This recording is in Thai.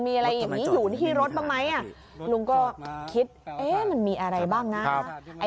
มีอะไรอยู่ที่รถปะไหมลุงก็คิดมันมีอะไรบ้างนะ